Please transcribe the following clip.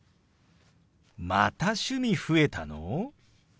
また趣味増えたの！？